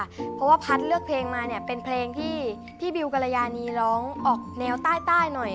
เพราะว่าพัฒน์เลือกเพลงมาเนี่ยเป็นเพลงที่พี่บิวกรยานีร้องออกแนวใต้หน่อย